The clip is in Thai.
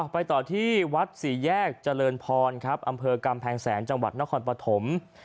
ไปต่อที่วัดศรีแยกเจริญพรอำเภอกรรมแผงแสงจังหวัดนครปฐม